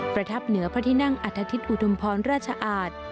ประทับเหนือพระทินั่งอัตภัทธิตอุทมพรรณราชอาท